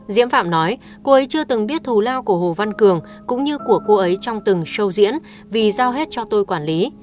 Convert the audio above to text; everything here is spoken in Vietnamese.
diễm phạm nói cô ấy chưa từng biết thù lao của hồ văn cường cũng như của cô ấy trong từng show diễn vì giao hết cho tôi quản lý